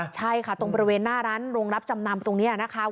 ใช่ค่ะตรงบริเวณหน้าร้านโรงรับจำนำตรงนี้นะคะ